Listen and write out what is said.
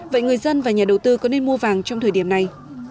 vậy người dân và nhà đầu tư có nên mua vàng trong thời điểm này